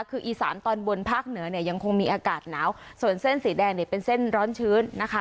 คืออีสานตอนบนภาคเหนือเนี่ยยังคงมีอากาศหนาวส่วนเส้นสีแดงเนี่ยเป็นเส้นร้อนชื้นนะคะ